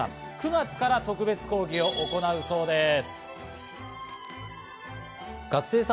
９月から特別講義を行うそうです。